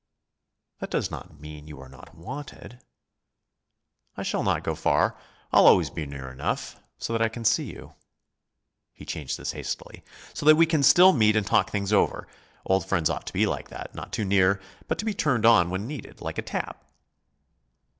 "That does not mean you are not wanted." "I shall not go far. I'll always be near enough, so that I can see you" he changed this hastily "so that we can still meet and talk things over. Old friends ought to be like that, not too near, but to be turned on when needed, like a tap."